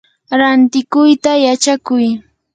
rantikuyta yachakuy.